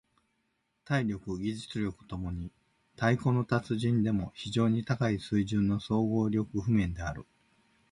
体力・技術共に太鼓の達人でも非常に高い水準の総合力譜面である。